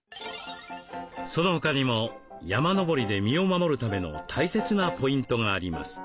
その他にも山登りで身を守るための大切なポイントがあります。